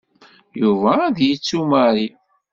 Yuba ad yettu Mary.